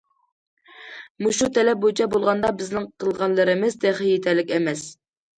مۇشۇ تەلەپ بويىچە بولغاندا بىزنىڭ قىلغانلىرىمىز تېخى يېتەرلىك ئەمەس.